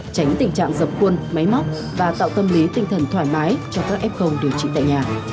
tránh tình trạng dập khuôn máy móc và tạo tâm lý tinh thần thoải mái cho các f điều trị tại nhà